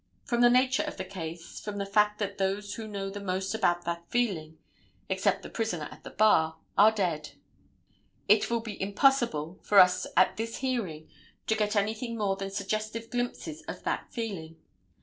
From the nature of the case, from the fact that those who know the most about that feeling, except the prisoner at the bar, are dead, it will be impossible for us at this hearing to get anything more than suggestive glimpses of that feeling.